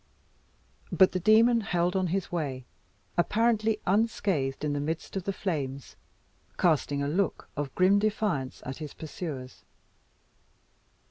But the demon held on his way, apparently unscathed in the midst of the flames, casting a look of grim defiance at his pursuers.